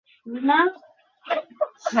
আমৃত্যু তিনি এই পদে বহাল ছিলেন।